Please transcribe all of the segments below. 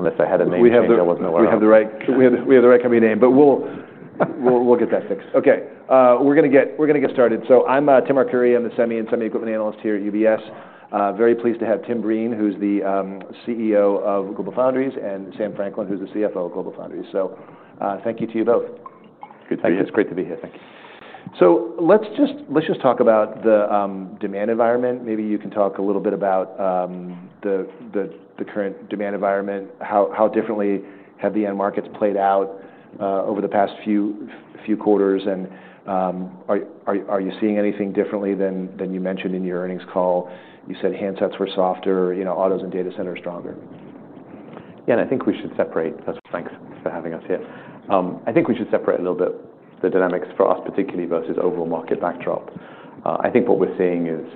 Unless I had a name that wasn't the right. We have the right. We have the right company name. But we'll get that fixed. Okay. We're gonna get started. So I'm Tim Arcuri. I'm the semi and semi-equipment analyst here at UBS. Very pleased to have Tim Breen, who's the CEO of GlobalFoundries, and Sam Franklin, who's the CFO of GlobalFoundries. So, thank you to you both. Good to be here. Thank you. It's great to be here. Thank you. So let's just talk about the demand environment. Maybe you can talk a little bit about the current demand environment. How differently have the end markets played out over the past few quarters? And are you seeing anything differently than you mentioned in your earnings call? You said handsets were softer, you know, autos and data centers stronger. Yeah. And I think we should separate. That's thanks for having us here. I think we should separate a little bit the dynamics for us particularly versus overall market backdrop. I think what we're seeing is,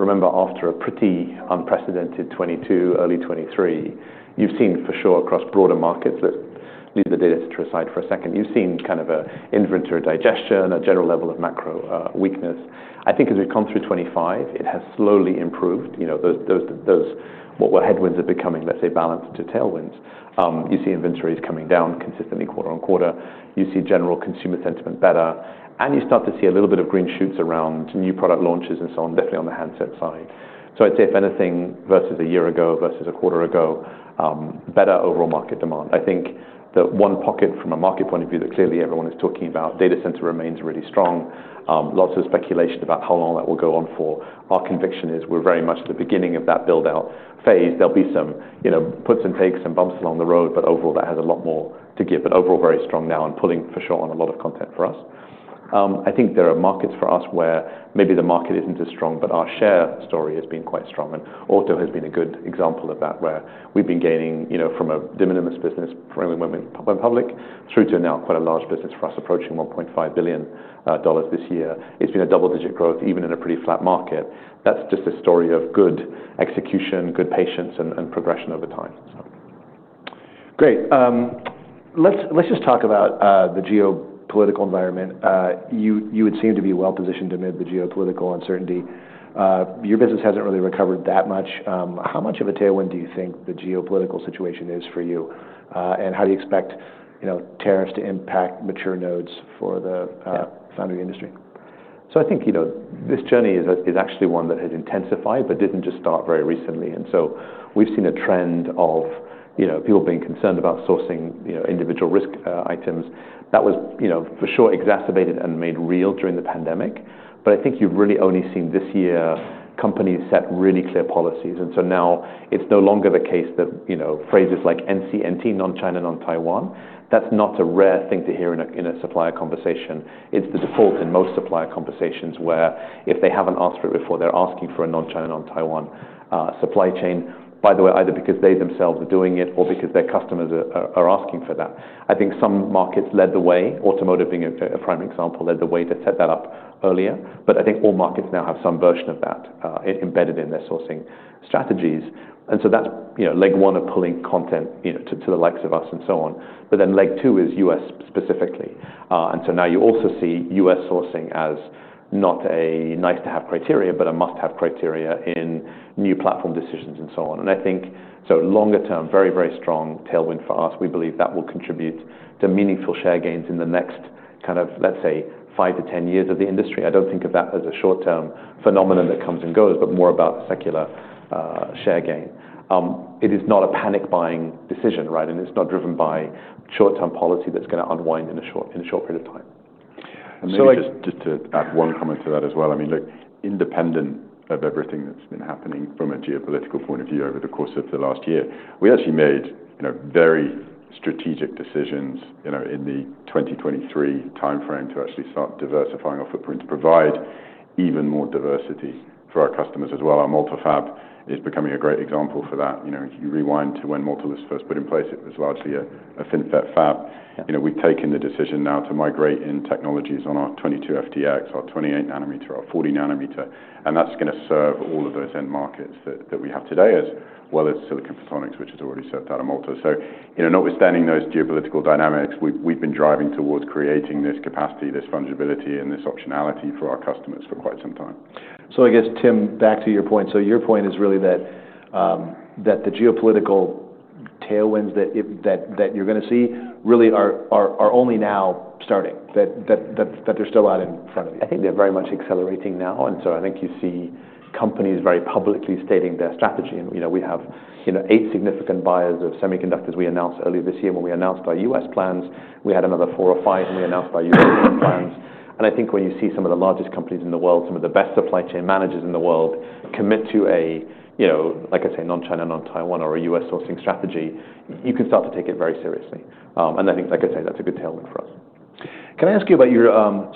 remember after a pretty unprecedented 2022, early 2023, you've seen for sure across broader markets that. Leave the data center aside for a second. You've seen kind of an inventory digestion, a general level of macro, weakness. I think as we've come through 2025, it has slowly improved. You know, those what were headwinds are becoming, let's say, balanced to tailwinds. You see inventories coming down consistently quarter on quarter. You see general consumer sentiment better. And you start to see a little bit of green shoots around new product launches and so on, definitely on the handset side. So, I'd say if anything versus a year ago versus a quarter ago, better overall market demand. I think the one pocket from a market point of view that clearly everyone is talking about, data center remains really strong. Lots of speculation about how long that will go on for. Our conviction is we're very much at the beginning of that build-out phase. There'll be some, you know, puts and takes and bumps along the road, but overall that has a lot more to give. But overall very strong now and pulling for sure on a lot of content for us. I think there are markets for us where maybe the market isn't as strong, but our share story has been quite strong. Auto has been a good example of that where we've been gaining, you know, from a de minimis business when we went public through to now quite a large business for us approaching $1.5 billion this year. It's been a double-digit growth even in a pretty flat market. That's just a story of good execution, good patience, and progression over time, so. Great. Let's just talk about the geopolitical environment. You would seem to be well-positioned amid the geopolitical uncertainty. Your business hasn't really recovered that much. How much of a tailwind do you think the geopolitical situation is for you? And how do you expect, you know, tariffs to impact mature nodes for the, Yeah. Foundry industry? So I think, you know, this journey is actually one that has intensified but didn't just start very recently, and so we've seen a trend of, you know, people being concerned about sourcing, you know, individual risk items. That was, you know, for sure exacerbated and made real during the pandemic, but I think you've really only seen this year companies set really clear policies, and so now it's no longer the case that, you know, phrases like NCNT, non-China, non-Taiwan. That's not a rare thing to hear in a supplier conversation. It's the default in most supplier conversations where if they haven't asked for it before, they're asking for a non-China, non-Taiwan supply chain, by the way, either because they themselves are doing it or because their customers are asking for that. I think some markets led the way, automotive being a primary example, led the way to set that up earlier, but I think all markets now have some version of that, embedded in their sourcing strategies, and so that's, you know, leg one of pulling content, you know, to the likes of us and so on, but then leg two is U.S. specifically, and so now you also see U.S. sourcing as not a nice-to-have criteria but a must-have criteria in new platform decisions and so on, and I think so longer-term, very, very strong tailwind for us. We believe that will contribute to meaningful share gains in the next kind of, let's say, 5 to 10 years of the industry. I don't think of that as a short-term phenomenon that comes and goes, but more about secular share gain. It is not a panic-buying decision, right? It's not driven by short-term policy that's gonna unwind in a short period of time. And maybe just to add one comment to that as well. I mean, look, independent of everything that's been happening from a geopolitical point of view over the course of the last year, we actually made, you know, very strategic decisions, you know, in the 2023 timeframe to actually start diversifying our footprint, to provide even more diversity for our customers as well. Our multi-fab is becoming a great example for that. You know, if you rewind to when multi-fab was put in place, it was largely a FinFET fab. You know, we've taken the decision now to migrate in technologies on our 22FDX, our 28nm, our 40nm. And that's gonna serve all of those end markets that we have today as well as Silicon Photonics, which has already served datacom. You know, notwithstanding those geopolitical dynamics, we've been driving towards creating this capacity, this fungibility, and this optionality for our customers for quite some time. I guess, Tim, back to your point. Your point is really that the geopolitical tailwinds that they're still out in front of you. I think they're very much accelerating now. So I think you see companies very publicly stating their strategy. And, you know, we have, you know, eight significant buyers of semiconductors. We announced earlier this year when we announced our U.S. plans. We had another four or five, and we announced our U.S. plans. And I think when you see some of the largest companies in the world, some of the best supply chain managers in the world commit to a, you know, like I say, non-China, non-Taiwan, or a U.S. sourcing strategy, you can start to take it very seriously, and I think, like I say, that's a good tailwind for us. Can I ask you about your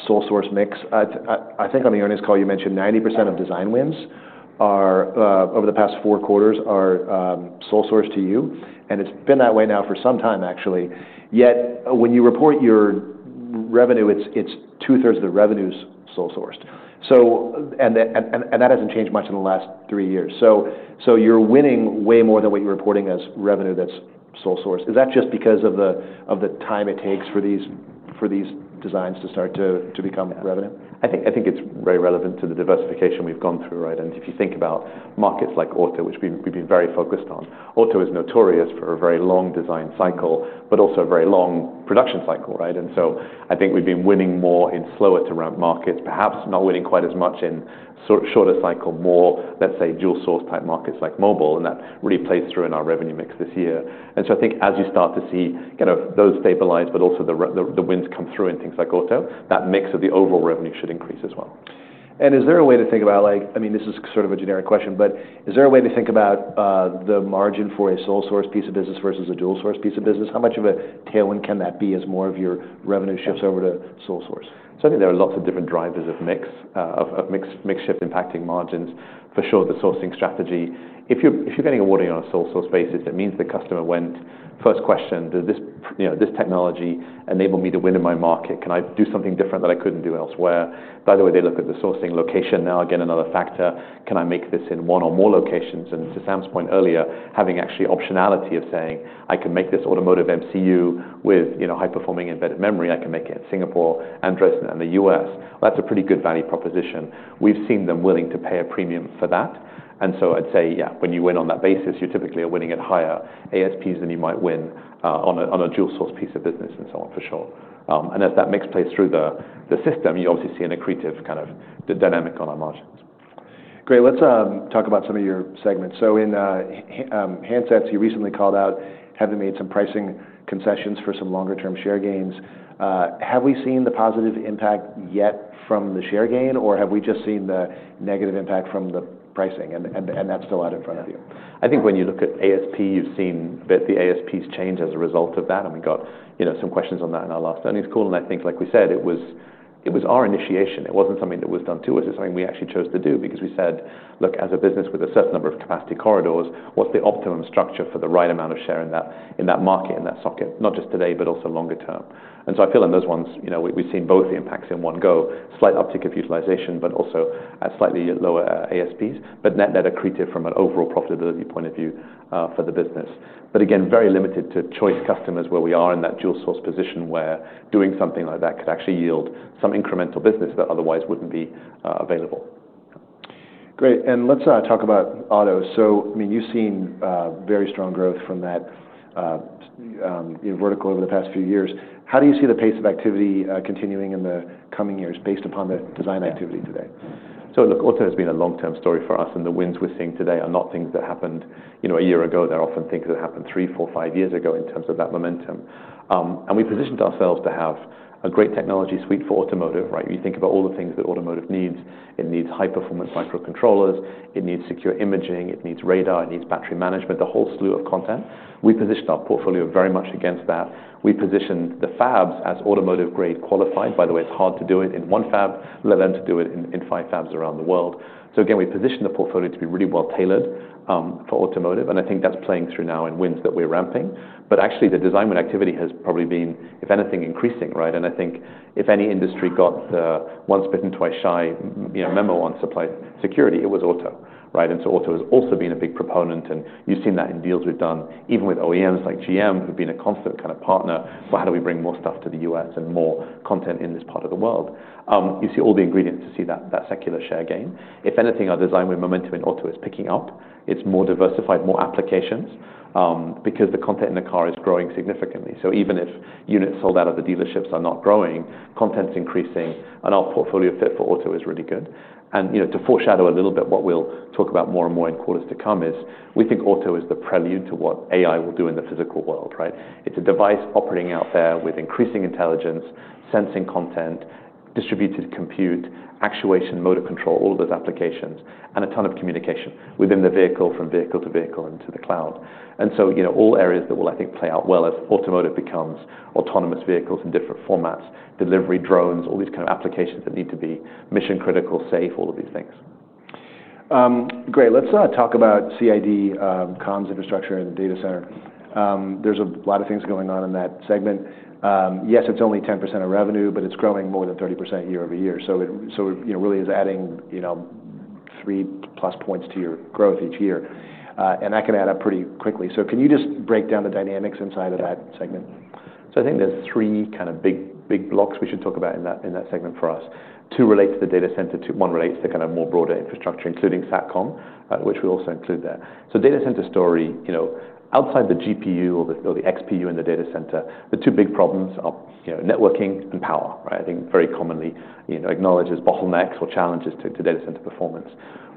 sole source mix? I think on the earnings call you mentioned 90% of design wins over the past four quarters are sole source to you. And it's been that way now for some time, actually. Yet when you report your revenue, it's two-thirds of the revenue's sole sourced. So and that hasn't changed much in the last three years. So you're winning way more than what you're reporting as revenue that's sole sourced. Is that just because of the time it takes for these designs to start to become revenue? Yeah. I think it's very relevant to the diversification we've gone through, right? And if you think about markets like auto, which we've been very focused on, auto is notorious for a very long design cycle, but also a very long production cycle, right? And so I think we've been winning more in slower-to-ramp markets, perhaps not winning quite as much in shorter-cycle, more, let's say, dual-source type markets like mobile. And that really plays through in our revenue mix this year. And so I think as you start to see kind of those stabilize, but also the, the wins come through in things like auto, that mix of the overall revenue should increase as well. Is there a way to think about, like, I mean, this is sort of a generic question, but is there a way to think about the margin for a sole-source piece of business versus a dual-source piece of business? How much of a tailwind can that be as more of your revenue shifts over to sole source? So I think there are lots of different drivers of mix, of mixed shift impacting margins. For sure, the sourcing strategy. If you're getting awarded on a sole-source basis, it means the customer went, first question, does this, you know, this technology enable me to win in my market? Can I do something different that I couldn't do elsewhere? By the way, they look at the sourcing location now, again, another factor. Can I make this in one or more locations? And to Sam's point earlier, having actually optionality of saying, I can make this automotive MCU with, you know, high-performing embedded memory. I can make it in Singapore, Dresden, and the U.S. That's a pretty good value proposition. We've seen them willing to pay a premium for that. And so I'd say, yeah, when you win on that basis, you're typically winning at higher ASPs than you might win on a dual-source piece of business and so on, for sure. And as that mix plays through the system, you obviously see an accretive kind of dynamic on our margins. Great. Let's talk about some of your segments. So in handsets, you recently called out having made some pricing concessions for some longer-term share gains. Have we seen the positive impact yet from the share gain, or have we just seen the negative impact from the pricing? And that's still out in front of you. I think when you look at ASP, you've seen a bit the ASPs change as a result of that. And we got, you know, some questions on that in our last earnings call. And I think, like we said, it was our initiation. It wasn't something that was done to us. It's something we actually chose to do because we said, look, as a business with a certain number of capacity corridors, what's the optimum structure for the right amount of share in that market, in that socket, not just today, but also longer-term? And so I feel in those ones, you know, we've seen both the impacts in one go, slight uptick of utilization, but also at slightly lower ASPs, but net-net accretive from an overall profitability point of view, for the business. But again, very limited to choice customers where we are in that dual-source position where doing something like that could actually yield some incremental business that otherwise wouldn't be available. Great. And let's talk about auto. So, I mean, you've seen very strong growth from that, you know, vertical over the past few years. How do you see the pace of activity continuing in the coming years based upon the design activity today? So, look, auto has been a long-term story for us, and the winds we're seeing today are not things that happened, you know, a year ago. They're often things that happened three, four, five years ago in terms of that momentum. And we positioned ourselves to have a great technology suite for automotive, right? You think about all the things that automotive needs. It needs high-performance microcontrollers. It needs secure imaging. It needs radar. It needs battery management, the whole slew of content. We positioned our portfolio very much against that. We positioned the fabs as automotive-grade qualified. By the way, it's hard to do it in one fab, let alone to do it in five fabs around the world. So again, we positioned the portfolio to be really well-tailored for automotive. And I think that's playing through now in winds that we're ramping. But actually, the design win activity has probably been, if anything, increasing, right? And I think if any industry got the once-bitten-twice-shy, you know, memo on supply security, it was auto, right? And so auto has also been a big proponent. And you've seen that in deals we've done, even with OEMs like GM, who've been a constant kind of partner. Well, how do we bring more stuff to the U.S. and more content in this part of the world? You see all the ingredients to see that, that secular share gain. If anything, our design win momentum in auto is picking up. It's more diversified, more applications, because the content in the car is growing significantly. So even if units sold out of the dealerships are not growing, content's increasing, and our portfolio fit for auto is really good. You know, to foreshadow a little bit what we'll talk about more and more in quarters to come is we think auto is the prelude to what AI will do in the physical world, right? It's a device operating out there with increasing intelligence, sensing content, distributed compute, actuation, motor control, all of those applications, and a ton of communication within the vehicle from vehicle to vehicle into the cloud. And so, you know, all areas that will, I think, play out well as automotive becomes autonomous vehicles in different formats, delivery drones, all these kind of applications that need to be mission-critical, safe, all of these things. Great. Let's talk about CID, comms, infrastructure, and data center. There's a lot of things going on in that segment. Yes, it's only 10% of revenue, but it's growing more than 30% year over year. So it, you know, really is adding, you know, three-plus points to your growth each year, and that can add up pretty quickly. So can you just break down the dynamics inside of that segment? So I think there's three kind of big, big blocks we should talk about in that segment for us. Two relate to the data center. One relates to kind of more broader infrastructure, including Satcom, which we also include there. So data center story, you know, outside the GPU or the XPU in the data center, the two big problems are, you know, networking and power, right? I think very commonly, you know, acknowledges bottlenecks or challenges to data center performance.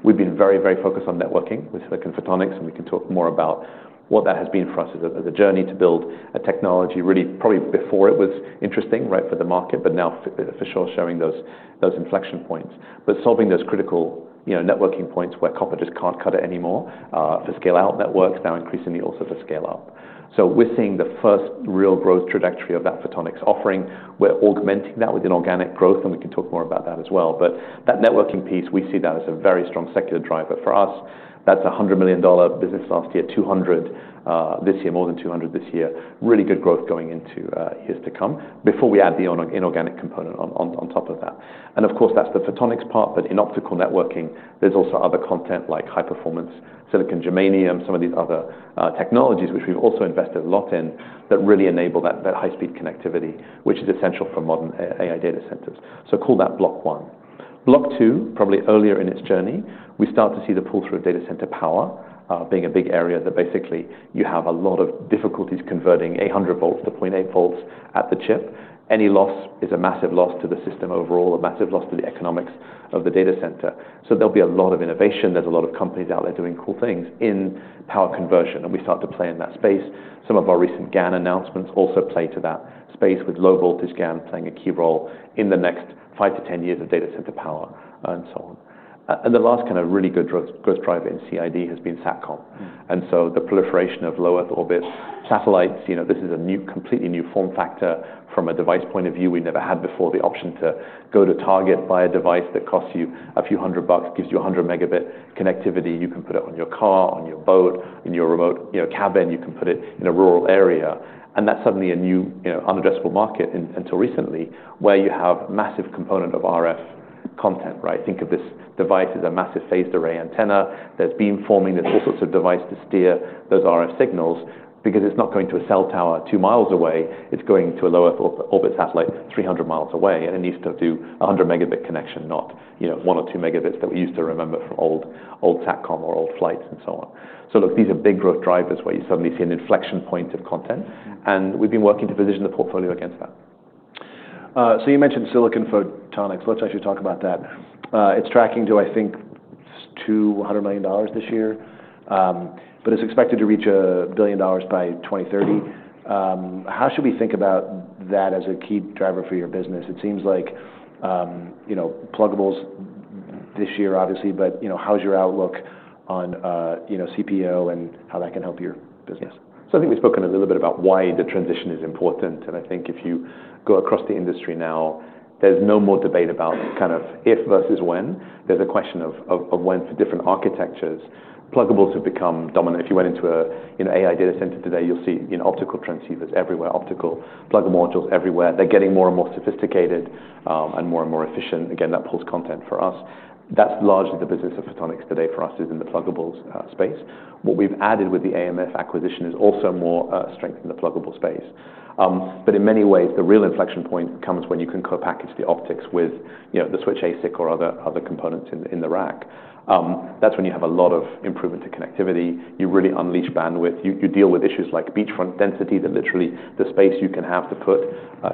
We've been very, very focused on networking with Silicon Photonics. And we can talk more about what that has been for us as a journey to build a technology really probably before it was interesting, right, for the market, but now for sure showing those inflection points. Solving those critical, you know, networking points where copper just can't cut it anymore, for scale-out networks, now increasingly also for scale-out. We're seeing the first real growth trajectory of that Photonics offering. We're augmenting that with inorganic growth. And we can talk more about that as well. That networking piece, we see that as a very strong secular driver for us. That's a $100 million business last year, $200 million this year, more than $200 million this year. Really good growth going into years to come before we add the inorganic component on top of that. And of course, that's the Photonics part. But in optical networking, there's also other content like high-performance silicon germanium, some of these other technologies, which we've also invested a lot in that really enable that high-speed connectivity, which is essential for modern AI data centers. So, call that block one. Block two, probably earlier in its journey, we start to see the pull-through of data center power, being a big area that basically you have a lot of difficulties converting 800 volts to 0.8 volts at the chip. Any loss is a massive loss to the system overall, a massive loss to the economics of the data center. So there'll be a lot of innovation. There's a lot of companies out there doing cool things in power conversion. And we start to play in that space. Some of our recent GaN announcements also play to that space with low-voltage GaN playing a key role in the next 5-10 years of data center power and so on, and the last kind of really good growth driver in CID has been Satcom. And so the proliferation of Low Earth Orbit satellites, you know, this is a completely new form factor from a device point of view. We never had before the option to go to Target, buy a device that costs you a few hundred bucks, gives you 100 megabit connectivity. You can put it on your car, on your boat, in your remote, you know, cabin. You can put it in a rural area. And that's suddenly a new, you know, unaddressable market until recently where you have a massive component of RF content, right? Think of this device as a massive phased-array antenna. There's beamforming. There's all sorts of devices to steer those RF signals because it's not going to a cell tower two miles away. It's going to a Low Earth Orbit satellite 300 miles away. And it needs to do a 100-megabit connection, not, you know, one or two megabits that we used to remember from old, old Satcom or old flights and so on. So look, these are big growth drivers where you suddenly see an inflection point of content. And we've been working to position the portfolio against that. So you mentioned Silicon Photonics. Let's actually talk about that. It's tracking to, I think, $200 million this year, but it's expected to reach $1 billion by 2030. How should we think about that as a key driver for your business? It seems like, you know, pluggables this year, obviously, but, you know, how's your outlook on, you know, CPO and how that can help your business? I think we've spoken a little bit about why the transition is important. I think if you go across the industry now, there's no more debate about kind of if versus when. There's a question of when for different architectures. Pluggables have become dominant. If you went into a you know AI data center today, you'll see you know optical transceivers everywhere, optical pluggable modules everywhere. They're getting more and more sophisticated, and more and more efficient. Again, that pulls content for us. That's largely the business of Photonics today for us is in the pluggables space. What we've added with the AMF acquisition is also more strength in the pluggable space. In many ways, the real inflection point comes when you can co-package the optics with you know the switch ASIC or other components in the rack. That's when you have a lot of improvement to connectivity. You really unleash bandwidth. You deal with issues like beamforming density that literally the space you can have to put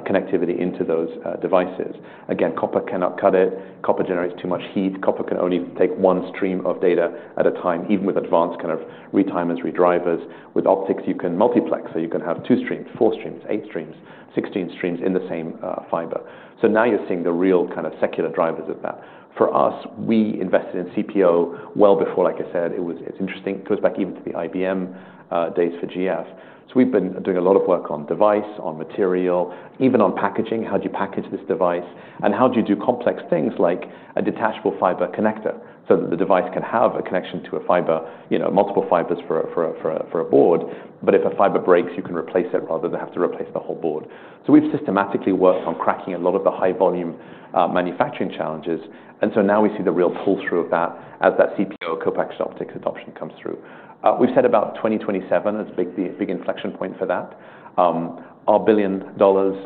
connectivity into those devices. Again, copper cannot cut it. Copper generates too much heat. Copper can only take one stream of data at a time, even with advanced kind of retimers, redrivers. With optics, you can multiplex. So you can have two streams, four streams, eight streams, 16 streams in the same fiber. So now you're seeing the real kind of secular drivers of that. For us, we invested in CPO well before, like I said, it was, it's interesting. It goes back even to the IBM days for GF. So we've been doing a lot of work on device, on material, even on packaging. How do you package this device? And how do you do complex things like a detachable fiber connector so that the device can have a connection to a fiber, you know, multiple fibers for a board? But if a fiber breaks, you can replace it rather than have to replace the whole board. So we've systematically worked on cracking a lot of the high-volume manufacturing challenges. And so now we see the real pull-through of that as that CPO co-packaged optics adoption comes through. We've said about 2027 as a big, big inflection point for that. Our $1 billion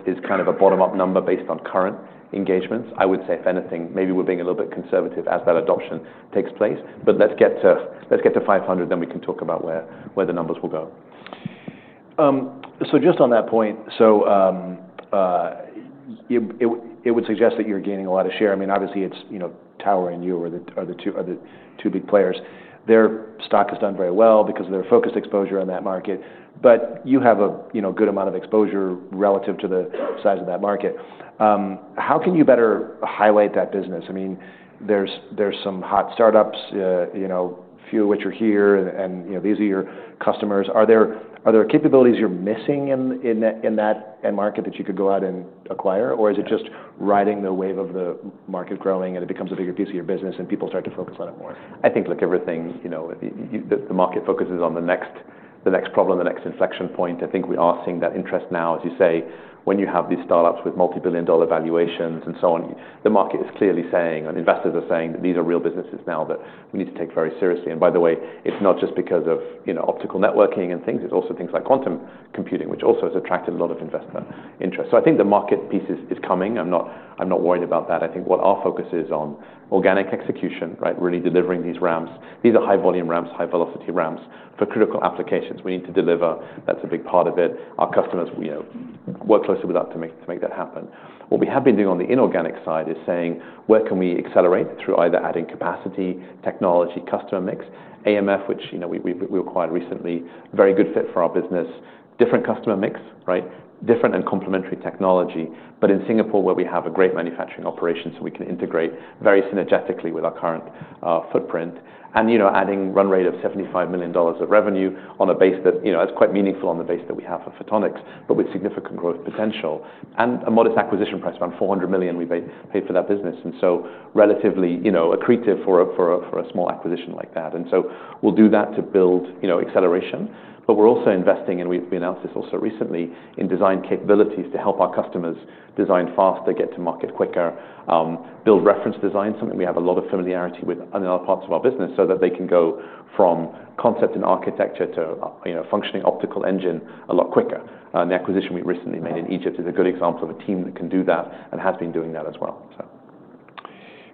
is kind of a bottom-up number based on current engagements. I would say, if anything, maybe we're being a little bit conservative as that adoption takes place. But let's get to 500, then we can talk about where the numbers will go. So just on that point, it would suggest that you're gaining a lot of share. I mean, obviously, it's, you know, Tower and you are the two big players. Their stock has done very well because of their focused exposure in that market. But you have a, you know, good amount of exposure relative to the size of that market. How can you better highlight that business? I mean, there's some hot startups, you know, a few of which are here, and, you know, these are your customers. Are there capabilities you're missing in that end market that you could go out and acquire? Or is it just riding the wave of the market growing and it becomes a bigger piece of your business and people start to focus on it more? I think, look, everything, you know, the market focuses on the next problem, the next inflection point. I think we are seeing that interest now, as you say, when you have these startups with multi-billion-dollar valuations and so on. The market is clearly saying, and investors are saying that these are real businesses now that we need to take very seriously. And by the way, it's not just because of, you know, optical networking and things. It's also things like quantum computing, which also has attracted a lot of investor interest. So I think the market piece is coming. I'm not worried about that. I think what our focus is on organic execution, right, really delivering these wins. These are high-volume wins, high-velocity wins for critical applications. We need to deliver. That's a big part of it. Our customers, you know, work closely with us to make that happen. What we have been doing on the inorganic side is saying, where can we accelerate through either adding capacity, technology, customer mix, AMF, which, you know, we acquired recently, very good fit for our business, different customer mix, right, different and complementary technology. But in Singapore, where we have a great manufacturing operation, so we can integrate very synergistically with our current footprint and, you know, adding run rate of $75 million of revenue on a base that, you know, that's quite meaningful on the base that we have for Photonics, but with significant growth potential and a modest acquisition price, around $400 million, we paid for that business. And so relatively, you know, accretive for a small acquisition like that. And so we'll do that to build, you know, acceleration. But we're also investing, and we've announced this also recently, in design capabilities to help our customers design faster, get to market quicker, build reference designs, something we have a lot of familiarity with in other parts of our business so that they can go from concept and architecture to, you know, functioning optical engine a lot quicker. An acquisition we recently made in Egypt is a good example of a team that can do that and has been doing that as well, so.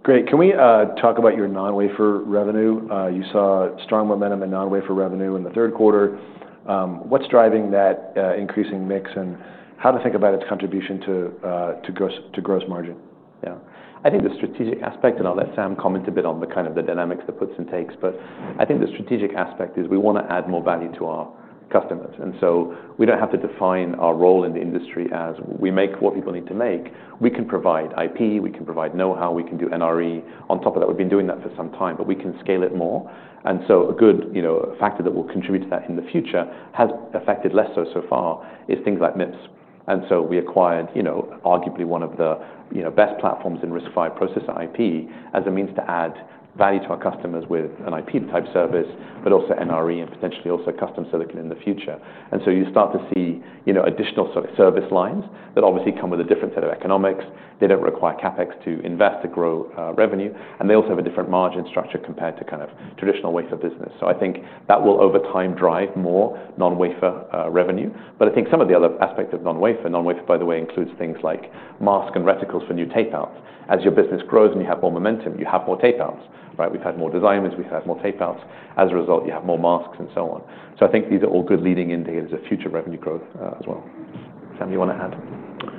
Great. Can we talk about your non-wafer revenue? You saw strong momentum in non-wafer revenue in the third quarter. What's driving that, increasing mix and how to think about its contribution to gross margin? Yeah. I think the strategic aspect, and I'll let Sam comment a bit on the kind of the dynamics that puts and takes. But I think the strategic aspect is we want to add more value to our customers. And so we don't have to define our role in the industry as we make what people need to make. We can provide IP. We can provide know-how. We can do NRE. On top of that, we've been doing that for some time, but we can scale it more. And so a good, you know, factor that will contribute to that in the future has affected less so so far is things like MIPS. And so we acquired, you know, arguably one of the, you know, best platforms in RISC-V processor IP as a means to add value to our customers with an IP-type service, but also NRE and potentially also custom silicon in the future. And so you start to see, you know, additional sort of service lines that obviously come with a different set of economics. They don't require CapEx to invest to grow revenue. And they also have a different margin structure compared to kind of traditional wafer business. So I think that will, over time, drive more non-wafer revenue. But I think some of the other aspects of non-wafer, by the way, includes things like mask and reticles for new tapeouts. As your business grows and you have more momentum, you have more tapeouts, right? We've had more designers. We've had more tapeouts. As a result, you have more masks and so on. So I think these are all good leading indicators of future revenue growth, as well. Sam, you want to add?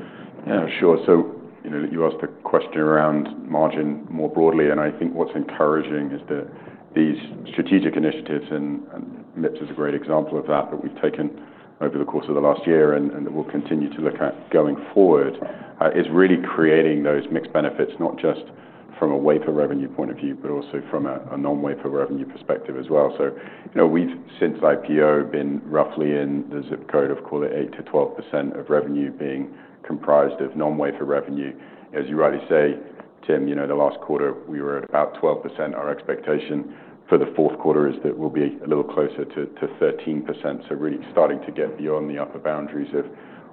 Yeah, sure. So, you know, you asked a question around margin more broadly. And I think what's encouraging is that these strategic initiatives, and, and MIPS is a great example of that that we've taken over the course of the last year and, and that we'll continue to look at going forward, is really creating those mixed benefits, not just from a wafer revenue point of view, but also from a, a non-wafer revenue perspective as well. So, you know, we've, since IPO, been roughly in the zip code of, call it, 8%-12% of revenue being comprised of non-wafer revenue. As you rightly say, Tim, you know, the last quarter, we were at about 12%. Our expectation for the fourth quarter is that we'll be a little closer to, to 13%. So really starting to get beyond the upper boundaries of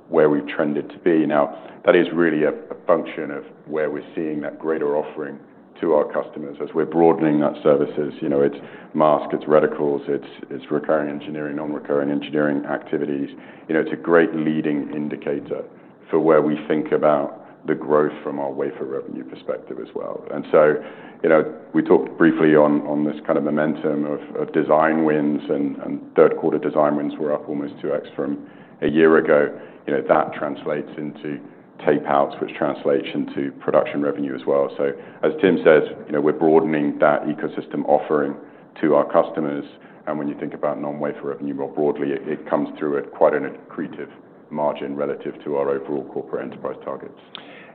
where we've trended to be. Now, that is really a function of where we're seeing that greater offering to our customers as we're broadening that services. You know, it's masks. It's reticles. It's recurring engineering, non-recurring engineering activities. You know, it's a great leading indicator for where we think about the growth from our wafer revenue perspective as well. And so, you know, we talked briefly on this kind of momentum of design wins and third quarter design wins were up almost 2x from a year ago. You know, that translates into tapeouts, which translates into production revenue as well. So, as Tim says, you know, we're broadening that ecosystem offering to our customers. And when you think about non-wafer revenue more broadly, it comes through at quite an accretive margin relative to our overall corporate enterprise targets.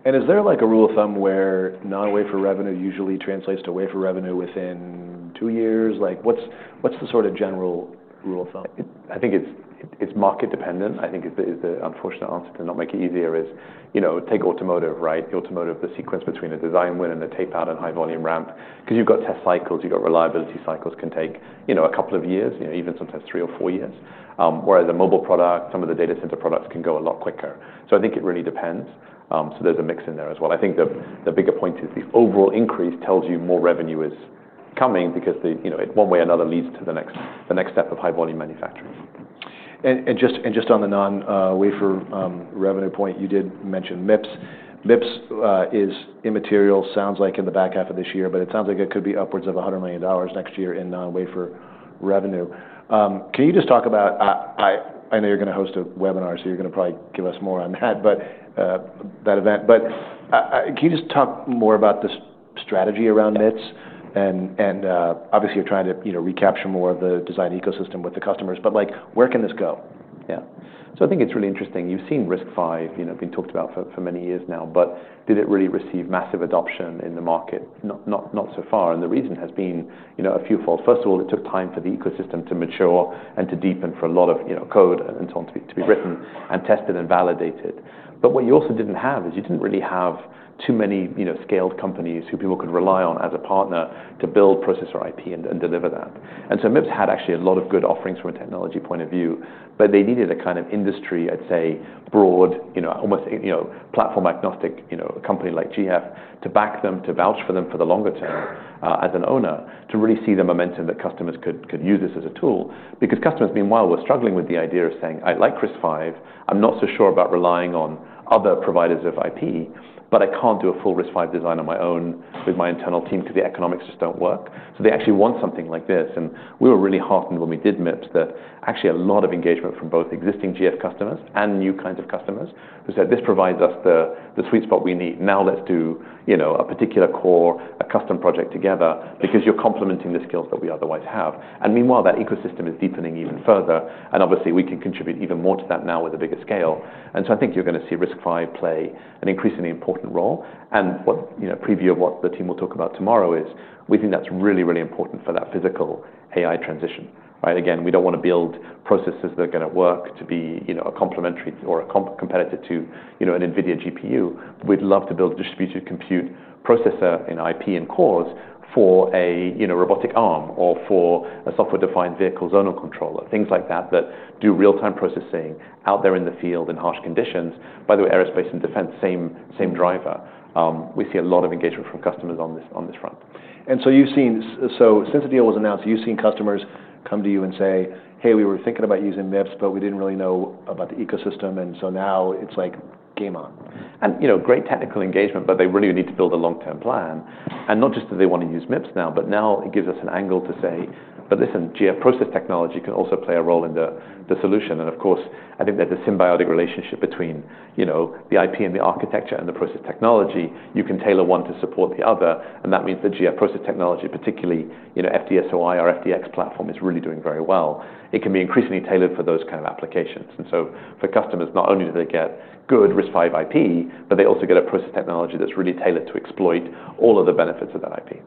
Is there, like, a rule of thumb where non-wafer revenue usually translates to wafer revenue within two years? Like, what's the sort of general rule of thumb? I think it's market dependent. I think it's the unfortunate answer to not make it easier. You know, take automotive, right? The automotive sequence between a design win and a tapeout and high-volume ramp, because you've got test cycles, you've got reliability cycles, can take a couple of years, you know, even sometimes three or four years, whereas a mobile product, some of the data center products can go a lot quicker. So I think it really depends, so there's a mix in there as well. I think the bigger point is the overall increase tells you more revenue is coming because, you know, it one way or another leads to the next step of high-volume manufacturing. Just on the non-wafer revenue point, you did mention MIPS. MIPS is immaterial, sounds like, in the back half of this year, but it sounds like it could be upwards of $100 million next year in non-wafer revenue. Can you just talk about it? I know you're going to host a webinar, so you're going to probably give us more on that, but that event. But can you just talk more about the strategy around MIPS and, obviously, you're trying to, you know, recapture more of the design ecosystem with the customers. But like, where can this go? Yeah. So I think it's really interesting. You've seen RISC-V, you know, being talked about for many years now, but did it really receive massive adoption in the market? Not so far. And the reason has been, you know, a few fold. First of all, it took time for the ecosystem to mature and to deepen for a lot of, you know, code and so on to be written and tested and validated. But what you also didn't have is you didn't really have too many, you know, scaled companies who people could rely on as a partner to build processor IP and deliver that. MIPS had actually a lot of good offerings from a technology point of view, but they needed a kind of industry, I'd say, broad, you know, almost, you know, platform agnostic, you know, a company like GF to back them, to vouch for them for the longer term, as an owner to really see the momentum that customers could use this as a tool. Because customers, meanwhile, were struggling with the idea of saying, "I like RISC-V. I'm not so sure about relying on other providers of IP, but I can't do a full RISC-V design on my own with my internal team because the economics just don't work." So they actually want something like this. And we were really heartened when we did MIPS that actually a lot of engagement from both existing GF customers and new kinds of customers who said, "This provides us the sweet spot we need. Now let's do, you know, a particular core, a custom project together because you're complementing the skills that we otherwise have." And meanwhile, that ecosystem is deepening even further. And obviously, we can contribute even more to that now with a bigger scale. And so I think you're going to see RISC-V play an increasingly important role. And what, you know, preview of what the team will talk about tomorrow is we think that's really, really important for that physical AI transition, right? Again, we don't want to build processors that are going to work to be, you know, a complementary or a competitor to, you know, an NVIDIA GPU. We'd love to build a distributed compute processor in IP and cores for a, you know, robotic arm or for a software-defined vehicle zonal controller, things like that that do real-time processing out there in the field in harsh conditions. By the way, aerospace and defense, same, same driver. We see a lot of engagement from customers on this, on this front. And so you've seen so since the deal was announced, you've seen customers come to you and say, "Hey, we were thinking about using MIPS, but we didn't really know about the ecosystem. And so now it's like, game on. You know, great technical engagement, but they really need to build a long-term plan. Not just that they want to use MIPS now, but now it gives us an angle to say, "But listen, GF process technology can also play a role in the solution." Of course, I think there's a symbiotic relationship between, you know, the IP and the architecture and the process technology. You can tailor one to support the other. That means the GF process technology, particularly, you know, FDSOI or FDX platform, is really doing very well. It can be increasingly tailored for those kind of applications. For customers, not only do they get good RISC-V IP, but they also get a process technology that's really tailored to exploit all of the benefits of that IP.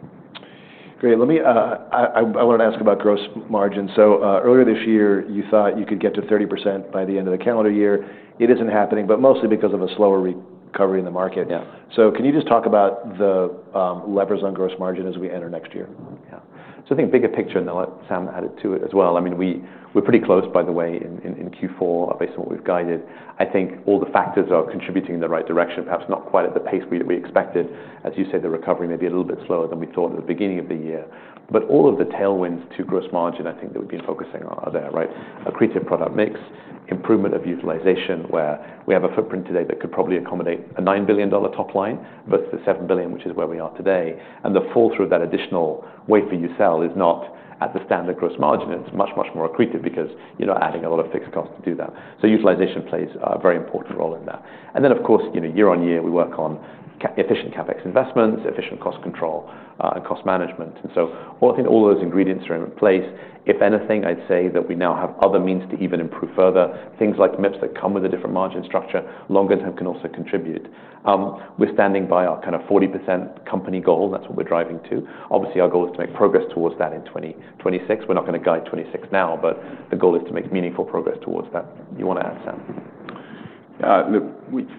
Great. Let me, I wanted to ask about gross margin. So, earlier this year, you thought you could get to 30% by the end of the calendar year. It isn't happening, but mostly because of a slower recovery in the market. Yeah. So can you just talk about the levers on gross margin as we enter next year? Yeah. So I think bigger picture, and I'll let Sam add it to it as well. I mean, we're pretty close, by the way, in Q4, based on what we've guided. I think all the factors are contributing in the right direction, perhaps not quite at the pace we expected. As you say, the recovery may be a little bit slower than we thought at the beginning of the year, but all of the tailwinds to gross margin, I think that we've been focusing on are there, right? Accretive product mix, improvement of utilization, where we have a footprint today that could probably accommodate a $9 billion top line versus the $7 billion, which is where we are today, and the fall through of that additional wafer you sell is not at the standard gross margin. It's much, much more accretive because you're not adding a lot of fixed cost to do that. So utilization plays a very important role in that. And then, of course, you know, year on year, we work on efficient CapEx investments, efficient cost control, and cost management. And so all, I think all those ingredients are in place. If anything, I'd say that we now have other means to even improve further. Things like MIPS that come with a different margin structure, longer term, can also contribute. We're standing by our kind of 40% company goal. That's what we're driving to. Obviously, our goal is to make progress towards that in 2026. We're not going to guide 2026 now, but the goal is to make meaningful progress towards that. You want to add, Sam? Look, we've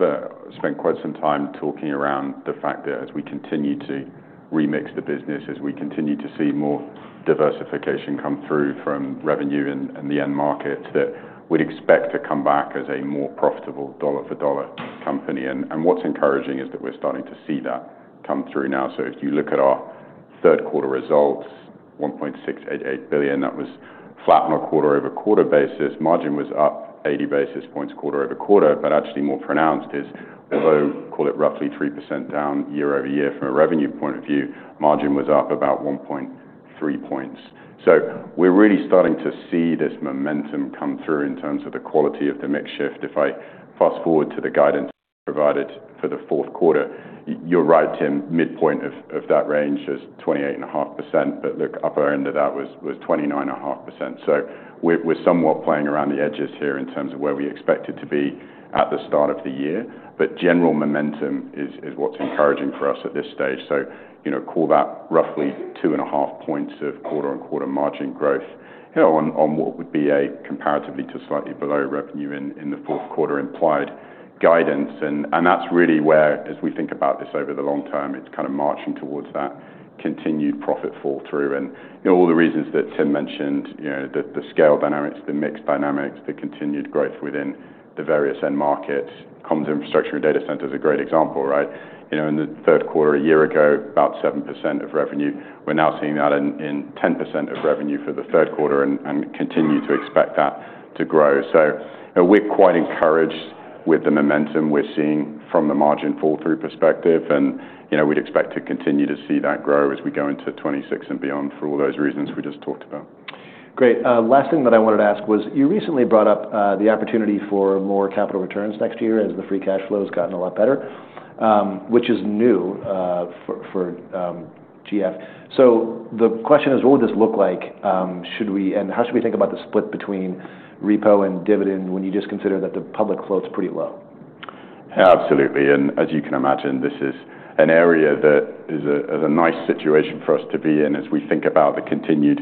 spent quite some time talking around the fact that as we continue to remix the business, as we continue to see more diversification come through from revenue and the end markets, that we'd expect to come back as a more profitable dollar-for-dollar company. And what's encouraging is that we're starting to see that come through now. So if you look at our third quarter results, $1.688 billion, that was flat on a quarter-over-quarter basis. Margin was up 80 basis points quarter-over-quarter. But actually more pronounced is, although call it roughly 3% down year over year from a revenue point of view, margin was up about 1.3 points. So we're really starting to see this momentum come through in terms of the quality of the mix shift. If I fast forward to the guidance provided for the fourth quarter, you're right, Tim, midpoint of that range is 28.5%. But look, upper end of that was 29.5%. So we're somewhat playing around the edges here in terms of where we expected to be at the start of the year. But general momentum is what's encouraging for us at this stage. So, you know, call that roughly two and a half points of quarter-on-quarter margin growth, you know, on what would be a comparatively to slightly below revenue in the fourth quarter implied guidance. And that's really where, as we think about this over the long term, it's kind of marching towards that continued profit fall through. You know, all the reasons that Tim mentioned, you know, the scale dynamics, the mix dynamics, the continued growth within the various end markets, comms infrastructure and data center is a great example, right? You know, in the third quarter a year ago, about 7% of revenue. We're now seeing that in 10% of revenue for the third quarter and continue to expect that to grow. So, you know, we're quite encouraged with the momentum we're seeing from the margin fall through perspective. You know, we'd expect to continue to see that grow as we go into 2026 and beyond for all those reasons we just talked about. Great. Last thing that I wanted to ask was you recently brought up the opportunity for more capital returns next year as the free cash flow has gotten a lot better, which is new for GF. So the question is, what would this look like, should we, and how should we think about the split between repo and dividend when you just consider that the public float's pretty low? Absolutely. And as you can imagine, this is an area that is a nice situation for us to be in as we think about the continued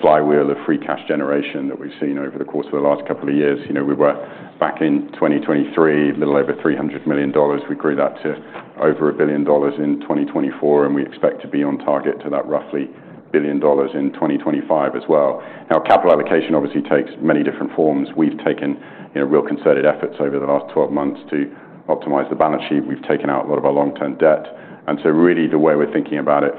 flywheel of free cash generation that we've seen over the course of the last couple of years. You know, we were back in 2023, a little over $300 million. We grew that to over a billion dollars in 2024, and we expect to be on target to that roughly billion dollars in 2025 as well. Now, capital allocation obviously takes many different forms. We've taken, you know, real concerted efforts over the last 12 months to optimize the balance sheet. We've taken out a lot of our long-term debt. And so really, the way we're thinking about it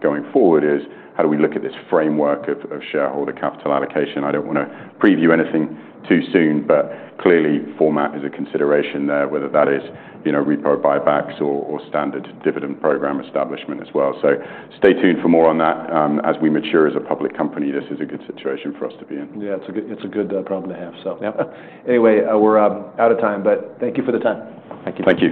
going forward is, how do we look at this framework of shareholder capital allocation? I don't want to preview anything too soon, but clearly, format is a consideration there, whether that is, you know, repo buybacks or, or standard dividend program establishment as well. So stay tuned for more on that. As we mature as a public company, this is a good situation for us to be in. Yeah. It's a good problem to have, so. Yep. Anyway, we're out of time, but thank you for the time. Thank you. Thank you.